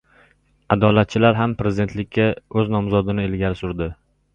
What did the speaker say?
"Adolat"chilar ham prezidentlikka o‘z nomzodini ilgari surdi